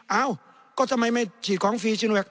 เอ้าก็ทำไมไม่ฉีดของฟรีชินแวค